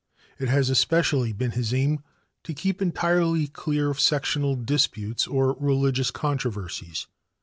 It has especially been his aim to keep entirely clear of sectional disputes or religious controversies.